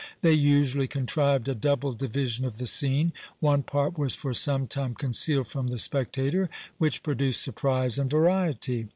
They usually contrived a double division of the scene; one part was for some time concealed from the spectator, which produced surprise and variety.